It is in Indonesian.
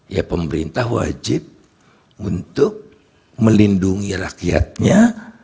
ya pemerintah wajib untuk melindungi rakyatnya